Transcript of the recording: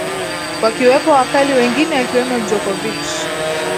wakiwepo wakali wengine akiwemo jokovich